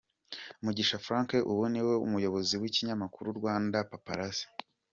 Mugisha Frank ubu ni we muyobozi w’ikinyamakuru Rwandapaparazzi.